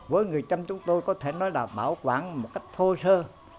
với người trăm chúng tôi có thể nói là bảo quản một cách thô sơ